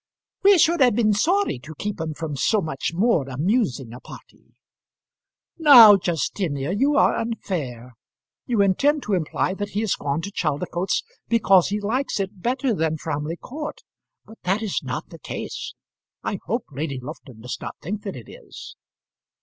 "We should have been sorry to keep him from so much more amusing a party." "Now, Justinia, you are unfair. You intend to imply that he has gone to Chaldicotes, because he likes it better than Framley Court; but that is not the case. I hope Lady Lufton does not think that it is."